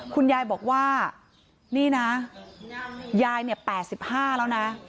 คุณยายบอกว่านี่นะยายเนี่ยแปดสิบห้าแล้วนะ